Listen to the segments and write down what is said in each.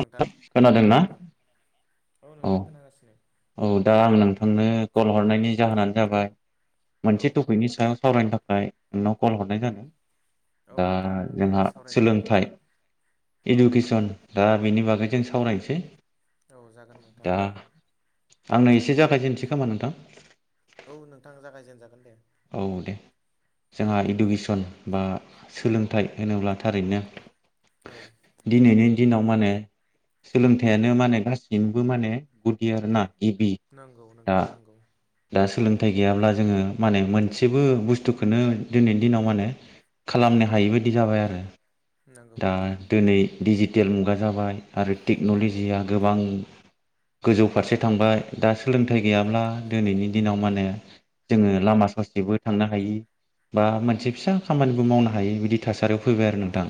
नोंथां औ खोनादोंना नोंथां औ नोंथां खोनागासिनो। औ दा आं नोंथांनो कल हरनायनि जाहोनानो जाबाय औ मोनसे टपिकनि सायाव सावरायनो थाखाय नोंनाव कल हरनाय जादों। औ दा नोंथां दे जोंहा सावरायजागोन सोलोंथाइ औ इडुकेसन दा बेनि बागै जों सावरायनोसै। औ जागोन दा नोंथां। आंनो एसे जागायजेननोसैखोमा नोंथां? औ नोंथां जागायजेनजागोन दे। औ दे। जोंहा इडुकेसन बा सोलोंथाइ होनोब्ला‌ थारैनो औ। दिनैनि दिनाव माने सोलोंथाइयानो माने गासैनिबो माने गुदि आरोना। गिबि नंगौ आ नोंथां नंगौ दा सोलोंथाइ गैयाब्ला जोङो माने मोनसेबो बुस्थुखोनो दिनैनि दिनाव माने खालामनो हायि बायदि जाबाय आरो। नंगौ दा नोंथां दिनै डिजिटेल मुगा जाबाय आरो नंगौ टेक्न'लजिया गो बां गोजौ फारसे थांबाय। दा सोलोंथाइ गैयाब्ला नंगौ दिनैनि दिनाव माने जोङो लामा ससेबो थांनो हायि बा मोनसे फिसा खामानिबो मावनो हाय बिदि थासारियाव फैबाय आरो नोंथां।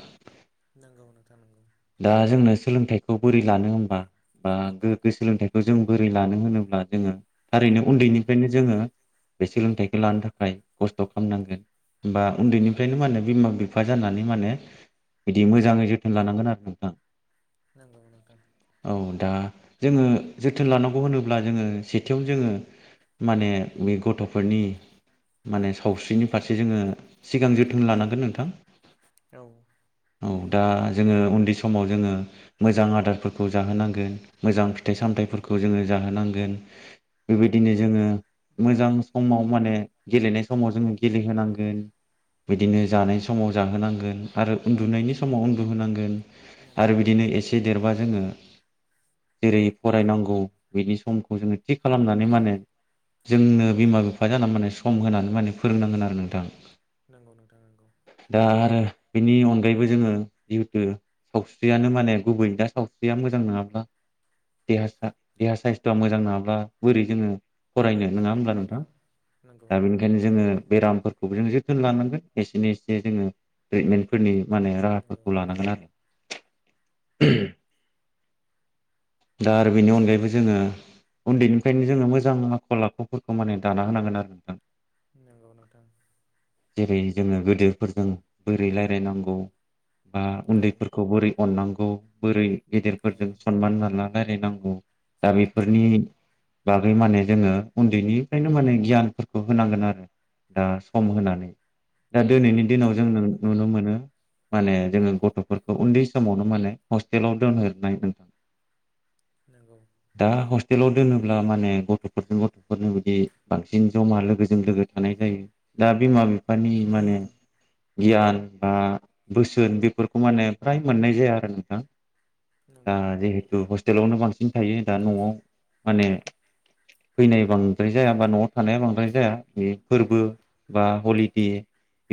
नोंगौ नोंथा नोंगौ। ओ दा जोंनो सोलोंथायखौ बोरै लानो होनबा? ओम गोगगो सोलोंथाइखौ जों बोरै लानो होनोब्ला ओ थारैनो औ उन्दैनिफ्रायनो जोङो बे सोलोंथाइखौ लानो थाखाय खस्थ' खालामनांगोन। बा नंगौ नोंथां उन्दैनिफ्रायनो मा होने बिमा बिफा जानानै माने बिदि मोजाङै जोथोन लानांगोन आरो नोंथां। नांगौ नोंथां। औ दा जोङो जोथोन लानांगौ होनोब्ला जोङो सेथियाव जोङो माने बे गथ'फोरनि माने सावस्रिनि फारसे जोङो सिगां जोथोन लानांगोन नोंथां। औ। औ दा जोङो उन्दै समाव जोङो मोजां आदारफोरखौ जाहोनांगोन। मोजां फिथाइ नंगौ सामथाइफोरखौ नोंथां जोङो जाहोनांगोन। बेबायदिनो जोङो मोजां समाव माने गेलेनाय समाव जोङो गेलेहोनांगोन। बिदिनो जानाय समाव जाहोनांगोन आरो उ न्दुनायनि समाव उन्दुहोनांगोन नंगौ आरो नोंथां बिदिनो एसे देरबा जोङो जेरै फरायनांगौ बिनि समखौ जोङो थि खालामनानै माने जोंनो बिमा नंगौ बिफा नोंथां जानानै माने सम होनानै माने फोरोंनांगोन आरो नोंथां। नंगौ नोंथां नंगौ। दा आरो बेनि अन गायैबो जोङो जिहेथु सावस्रियानो माने गुबै दा सावस्रिया मोजां नङाब्ला देहा सा-देहा साइसथ'आ मोजां नङाब्ला बोरै जोङो फरायनो नङा होमब्ला नोंथां नंगौ दा नंगौ बेनिखायनो जोङो बेरामफोरखौबो जों जोथोन लानांगोन एसेनो एसे जोङो ट्रिटमेन्टफोरनि माने नंगौ राहाफोरखौ नोंथां लानांगोन [unintelligible] दा आरो बेनि अनगायैबो जोङो उन्दैनिफ्रायनो जोङो मोजां आखल आखुफोरखौ माने दाना होनांगोन आरो नोंथां‌। नांगौ नोंथां। जेरै जोङो गोदोरफोरजों बोरै रायलायनांगौ? बा औ उन्दैफोरखौ बोरै अननांगौ बोरै औ गेदेरफोरजों खनमान लाना रायलायनायगौ दा नंगौ बेफोरनि बागै माने जोङो उन्दैनिफ्रायनो माने गियानफोरखौ होनांगोन आरो। दा सम होनानै दा दोनैनि दिनाव नंगौ जोंनो नोंथां नुनो मोनो माने जोङो गथ'फोरखौ उन्दै समावनो माने हस्टेलाव दोनहरनाय नों नोंगौ दा हस्टेलाव दोनोब्ला माने गथ'फोरजों गथ'फोरनो बिदि बांसिन जमा लोगोजों लोगो थानाय जायो दा बिमा बिफानि नंगौ माने नोंथां गियान बा बोसोन बेफोरखौ मा होनो फ्राय मोननाय जाया आरो नोंथां दा नंगौ नोंथां जिहेथु हस्ट टेलावनो बांसिन थायो दा न'आव माने फैनाय बांद्राय जाया बा न'आव थानाया बांद्राय जाया बे फोरबो बा हलिदे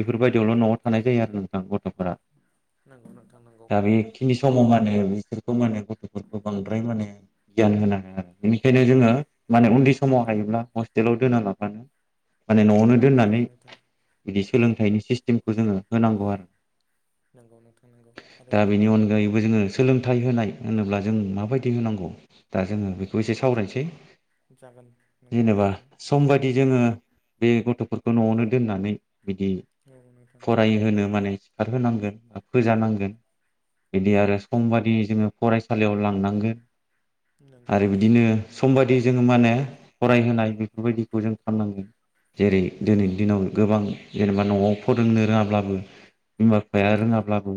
बेफोरबायदियावल' न'आव थानाय जायो आरो नोंथां गथ'फोरा। नंगौ नोंथां नंगौ। बि समाव मानो बिसोरखौ माने गथ'फोरखौ बांद्राय माने गियान होनो हाया बेनिखायनो जोङो माने उन्दै समाव हायोब्ला हस्टेलाव दोना लाबानो माने न'आवनो नंगौ दोननानै नोंथां बिदि सोलोंथाइनि सिस्टेमखौ जोङो होनांगौ आरो। नंगौ नोंथां नंगौ थारैनो नंगौ। बो जोङो सोलोंथाइ होनाय होनोब्ला जों माबायदि होनांगौ दा जोङो बेखौ एसे सावरायनोसै। जागोन नोंथां जेनेबा जागोन सम बायदि जोङो बे गथ'फोरखौ न'आवनो दोननानै बिदि औ नोंथां फरायहोनो माने सिखार होनांगोन ओ फोजानांगोन। बिदि आरो समबादि जोङो फरायसालियाव लांनांगोन। नंगौ आरो नोंथां बिदिनो सम बायदि जोङो माने फरायहोनाय बेफोरबायदिखौ जों खामनांगोन। जेरै नंगौ दोनैनि नोंथां दिनाव गोबां जेनेबा न'आव फोरोंनो रोङाब्लाबो बिमा बिफाया नंगौ रोङाब्लाबो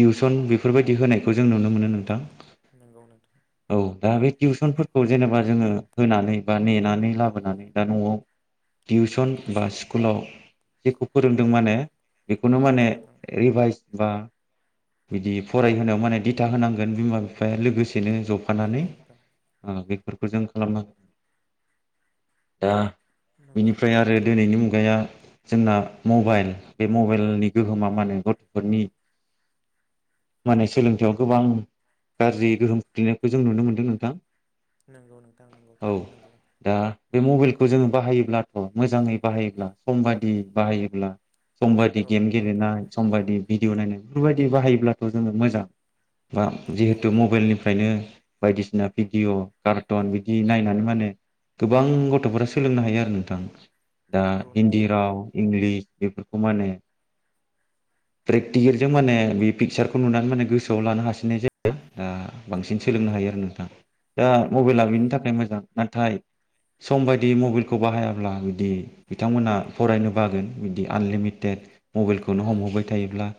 टिउसन बेफोरबायदि होनायखौ जों नुनो मोनो नोंथां। नंगौ नोंथां। औ दा बे टिउसनफोरखौ जेनेबा जोङो होनानै बा नेनानै लाबोनानै दा न'आव टिउसन बा स्कुलाव जेखौ फोरोंदों माने बेखौनो औ माने नोंथां रिभाइस बा बिदि फरायहोनायाव माने दिथा होनांगोन बिमा बि फाया लोगोसेनो ज'फानानै नंगौ नोंथां ओ बेफोरखौ जों खालामनां [inaudible] दा नंगौ बिनिफ्राय नोंथां आरो दिनैनि मुगाया जोंना मबाइल बे मबाइलनि गोहोमा मा होनो गथ'फोरनि माने सोलोंथाइआव गोबां गाज्रियै गोहोम खोख्लैनायखौ जों नुनो मोन्दों नोंथां। नंगौ नोंथां नंगौ औ थारैनो नंगौ। दा बे मबाइलखौ जोङो बाहायोब्लाथ' मोजाङै बाहायोब्ला समबादि बाहायोब्ला समबादि औ गेम नोंथां गेलेनाय सम बायदि भिदिय' नायनाय बेफोर बादि बाहायोब्लाथ' जोंनो मोजां बा नंगौ जेहुथु नोंथां मबेलनि खायनो बायदिसिना भिडिअ कार्टन बिदि नायनानै माने गोबां गथ'फोरा सोलोंनो हायो आरो नोंथां दा नंगौ हिन्दि नोंथां नंगौ राव इंलिस बेफोरखौ मा होनो प्रेकटिकेलजों माने बे पिकसारखौ नुनानै माने गोसोआव लानो हासिननाय जायो ओ बांसिन सोलोंनो हायो आरो नोंथां दा मबाइला नंगौ बेनि थाखाय मोजां नाथाय सम बायदि मबाइलखौ बाहायाब्ला बिदि बिथांमोना फरायनो बागोन बिदि आनलिमिटेड नंगौ नोंथां ओ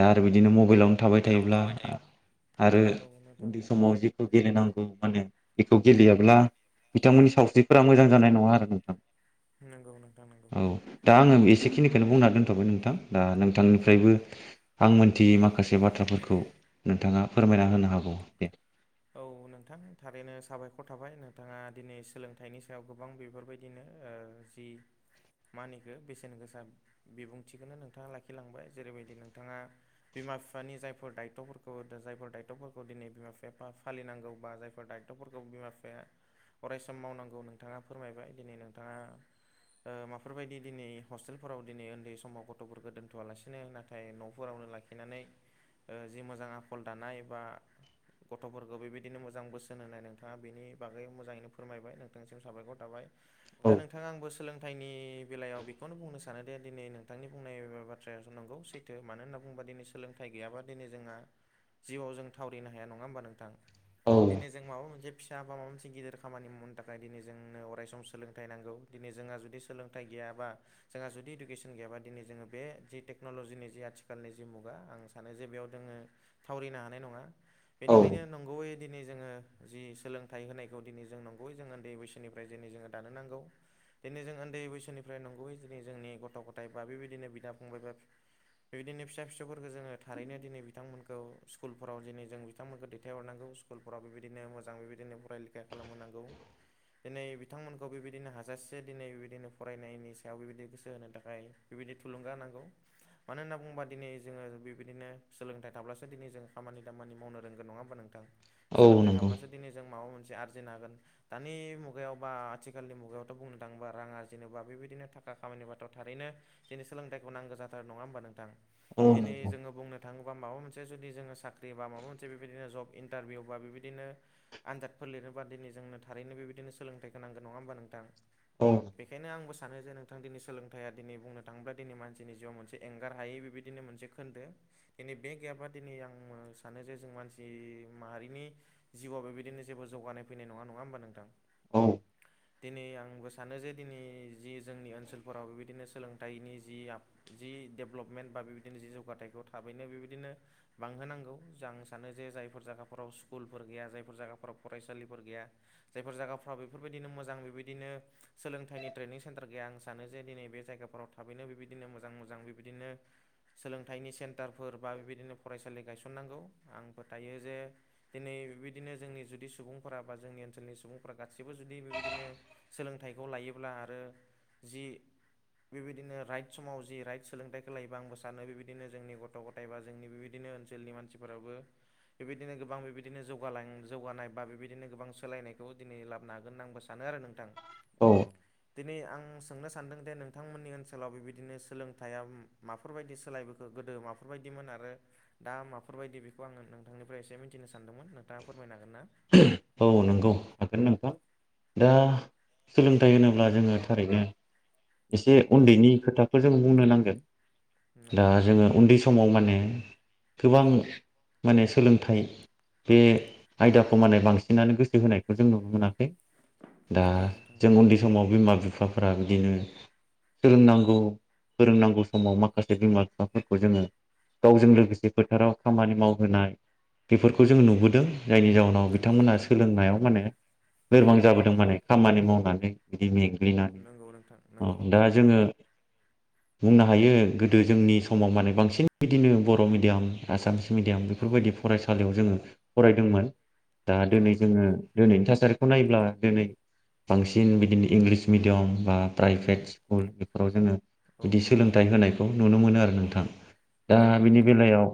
दा आरो बिदिनो मबाइलावनो थाबाय हेलौ थायोब्ला थाबाय थायो आरो औ नोंथां उन्दै समाव जि खौ गेलेनांगौ माने बेखौ गेलेयाब्ला बिथांमोननि सावस्रिफोरा मोजां जानाय नङा आरो नोंथां नंगौ नोंथां नंगौ औ दा आङो एसेखिनिखौनो बुंना दोनथ'बाय नोंथां दा नोंथांनिफ्रायबो आं मोनथियै माखा खासे बाथ्राफोरखौ नोंथाङा फोरमायना होनो हागौ दे औ नोंथां थारैनो साबायखर थाबाय नोंथाङा दिनै सोलोंथाइनि सायाव गोबां बेफोरबायदिनो ओ जि मा होनो इखो बेसेन गोसा बिबुंथिखौ नोंथाङा लाखिलांबाय जेरैबायदि नोंथाङा बिमा बिफानि जायफोर दायथ'फोरखौ दा जायफोर दायथ'फोरखौ दिनै बिमा एफा फालिनांगौ बा जायफोर दायथ'फोरखौ बिमा बिफाया अरायसम मावनांगौ नोंथाङा फोरमायबाय दिनै नोंथाङा ओ माफोरबायदि दिनै हस्टेलफोराव दिनै उन्दै समाव गथ'फोरखौ दोनथ'आलासिनो नाथाय न'फोरावनो लाखि नानै ओ जि मोजां आखल दानाय एबा गथ'फोरखौ बेबायदिनो मोजां बोसोन होनाय नोंथाङा बेनि बागै मोजाङैनो फोरमायबाय नोंथांसिम साबायखर थाबाय। औ दा नोंथाङा आंबो सोलोंथाइ नि बेलायाव बेखौनो बुंनो सानोदि दिनै नोंथांनि बुंनाय बाथ्रायासो नंगौ सै थो मानो होनना बुङोबा दिनै सोलोंथाइ गैयाबा दिनै जोंहा जिउआव जों थावरिनो हाया नङा होमबा नोंथां औ दिनै जों माबा मोनसे फिसा बा माबा मोनसे गिदिर खामानि मावनो थाखाय दिनै जोंनो अराय सम सोलोंथाइ नांगौ। दिनै जोंहा जुदि सोलोंथाइ गैयाबा जोंहा जुदि इडुकेसन गैयाबा दिनै जोङो बे जि टेक्न'लजिनि जि आथिखालनि जि मुगा आं सानो जे बेयाव दोङो थावरिनो हानाय नङा औ बेनिखायनो नंगौयै दिनै जोङो जि सोलोंथाइ होनायखौ दिनै जों नंगौयै जों उन्दै बैसोनिफ्राय दिनै जोङो दानो नांगौ। दिनै जों उन्दै बैसोनिफ्राय नंगुबै दिनै जोंनि गथ' गथाइ बा बेबायदिनो बिदा फंबाय बा बेबायदिनो फिसा फिसौफोरखौ जोङो थारैनो दिनै बिथांमोनखौ स्कुलफोराव दिनै जों बि थांमोनखौ दैथायहरनांगौ स्कुलफोराव बेबायदिनो मोजां बेबायदिनो फराय लेखाइ खालाम होनांगौ। दिनै बिथांमोनखौ बेबायदिनो हाजासे दिनै बेबायदिनो फरायनायनि सायाव बेबायदि गोसो होनो थाखाय बेबायदि थुलुंगा होनांगौ मानो होनना बुङोबा दिनै जोङो बेबायदिनो सोलोंथाइ थाब्लासो दिनै जों खामानि दामानि मावनो रोंगोन नङा होमबा नोंथां औ सोलोंथाइ नंगौ थाब्लासो दिनै जों माबा मोनसे आरजिनो हागोन। दानि मुगायाव बा आथिखालनि मुगायावथ' बुंनो थाङोबा राङा जेनेबा बेबायदिनो थाखा खामानिबाथ' थारैनो दिनै सोलोंथाइखौ नांगौ जाथारो नङा होमबा नोंथां? औ दिनै नंगौ जोङो बुंनो थाङोबा माबा मोनसे जुदि जोङो साख्रि बा माबा मोन से बेबायदिनो जब इन्टारभिउ बा बेबायदिनो आनजादफोर लिरोबा दिनै जोंनो थारैनो बेबायदिनो सोलोंथाइखौ नांगोन नङा होमबा नोंथां? औ बेखायनो आंबो सानो जे नोंथां दिनै सोलोंथाइया दिनै बुंनो थाङोब्ला दिनै मानसिनि जिउआव मोनसे एंगार हायै बेबायदि दिनो मोनसे खोन्दो दिनै बे गैयाबा दिनै आं सानो जे जों मानसि माहारिनि जिउआव बेबायदिनो जेबो जौगानाय फैनाय नङा नङा होमबा नोंथां? औ दिनै आंबो सानो जे दिनै जि जोंनि ओनसोलफोराव बेबायदिनो सोलोंथाइनि जि आ जि डेभेलपमेन्ट बा बेबायदिनो जि जौगाथायखौ थाबैनो बेबायदिनो बांहोनांगौ जा सानो जे जायफोर जागाफोराव स्कुलफोर गैया जायफोर जागाफोराव फरायसालिफोर गैया जायफोर जायगाफ्रा बेफोरबायदिनो मोजां बेबायदिनो सोलोंथाइनि ट्रेनिं सेन्टार गैया आं सानो जे दिनै बे जायगाफोराव थाबैनो बेबायदिनो मोजां मोजां बेबायदिनो सोलोंथायनि सेन्टारफोर बा बेबायदिनो फरायसालि गायसननांगौ आं फोथायो जे दिनै बेबायदिनो जोंनि जुदि सुबुंफोरा बा जोंनि ओनसोलनि सुबुंफोरा गासैबो जुदि बेबायदिनो सोलोंथाइखौ लायोब्ला आरो जि बेबायदिनो राइट समाव जि राइट सोलोंथाइखौ लायोबा आंबो सानो बेबायदिनो जोंनि गथ ग थाय बा जोंनि बेबायदिनो ओनसोलनि मानसिफोराबो बेबायदिनो गोबां बेबायदिनो जौगालां जौगानाय बा बेबायदिनो गोबां सोलायनायखौ दिनै लाबनो हागोन होनना आंबो सा सानो आरो नोंथां औ दिनै आं सोंनो सान्दों दे नोंथांमोननि ओनसोलाव बेबायदिनो सोलोंथाइया माफोरबायदि सोलायबोखो गोदो माफोरबायदिमोन आरो दा माफो फोरबायदि बेखौ आङो नोंथांनिफ्राय एसे मिन्थिनो सानदोंमोन नोंथाङा फोरमायनो हागोन ना औ नंगौ हागोन नों थां दा सोलोंथाइ होनोब्ला जोङो थारैनो एसे औ उन्दैनि नोंथां खोथाखौ जों बुंनो नांगोन दा नंगौ नोंथां जोङो उन्दै सम समाव माने गोबां माने सोलोंथाइ बे आयदाखौ माने बांसिनानो गोसो होनायखौ जों नुनो मोनाखै दा नंगौ नोंथां जों उन्दै सम समाव बिमा बिफाफोरा बिदिनो फोरोंनांगौ फोरोंनांगौ समाव माखासे बिमा बिफाफोरखौ जोङो गावजों लोगोसे फोथाराव खामानि मावहोनाय बेफोरखौ जों नुबोदों जायनि जाउनाव नंगौ बिथांमोनहा नोंथां सोलोंनायाव माने लोरबां जाबोदों माने खामानि मावनानै बिदि मेंग्लिनानै नंगौ नोंथां अ नंगौ दा जोङो बुंनो हायो गोदो जोंनि समाव माने बांसिन बिदिनो बर मिडियाम आसामिस मिडियाम औ बेफोरबायदि फरायसालियाव जोङो दोंमोन दा औ दिनै नोंथां जोङो दिनैनि थासारिखौ नायोब्ला दिनै बांसिन बिदिनो इंलिस मिडियाम बा प्राइभेट स्कुल बेफोराव जोङो औ बिदि नोंथां सोलोंथाइ होनायखौ नुनो मोनो आरो नोंथां दा नंगौ बिनि नोंथां बेलायाव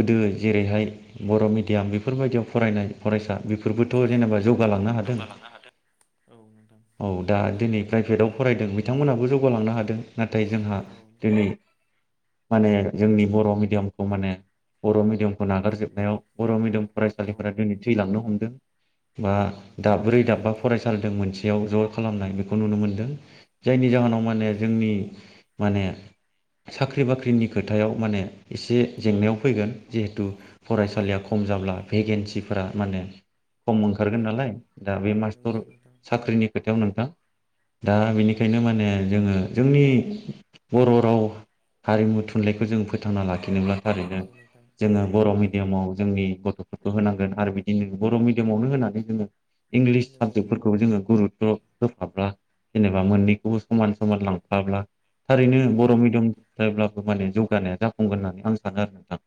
गोदो जेरैहाय बर मिडियाम बेफोरबायदियाव फरायनाय फरायसा बेफोरबोथ नंगौ जेनेबा नोंथां जौगालांनो हादों हादों। औ नोंथां औ दा दिनै प्राइभेटआव फरायदों बिथांमोनहाबो जौगालांनो हादों नाथाय जोंहा औ दिनै माने जोंनि बर मिडियामखौ माने बर मिडियामखौ नागारजोबनायाव बर मिडियाम औ फरायसालिफोरा दिनै थैलांनो हमदों बा नंगौ नोंथां दाब्रै दाबा फरायसालिजों मोनसेयाव ज खालामनाय बेखौ नुनो मोनदों जायनि औ जाहोनाव माने जोंनि माने साख्रि बाख्रिनि खोथायाव माने एसे औ जेंनायाव फैगोन जिहेथु नंगौ फरायसालिया नोंथां खम जाब्ला भेकेन्सिफोरा माने खम औ ओंखारगोन नालाय दा बे नंगौ मास्टर नोंथां साख्रिनि खोथायाव नोंथां दा बेनिखायनो माने जोङो जोंनि बर राव हारिमु थुनलायखौ जों फोथांना लाखिनोब्ला थारैनो नंगौ नोंथां जोङो बर नंगौ मिडियामआव जोंनि गथ खौ होनांगोन आरो बिदिनो बर मिडियामावनो होनानै जोङो इंलिस नंगौ साबजेक्टफोरखौ जोङो गुरुत्त होफाब्ला जेनेबा मोननैखौबो समान समान लांफाब्ला थारैनो औ बर नोंथां मिडियाम [unintelligible]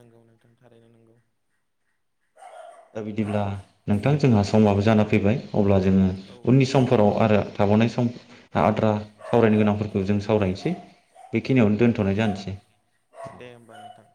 नंगौ नोंथां थारैनो नंगौ। दा बिदिब्ला नोंथां जोंहा समाबो जाना फैबाय अब्ला जोङो औ उननि नोंथां समफोराव आरो थाबावनाय सम आद्रा सावरायनो गोनांफोरखौ जों सावरायनोसै बेखिनियावनो नंगौ दोनथ'नाय जानोसै जागोन दे होमबा नोंथां